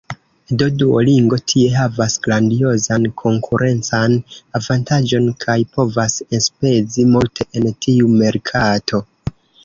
Do Duolingo tie havas grandiozan konkurencan avantaĝon kaj povas enspezi multe en tiu merkato.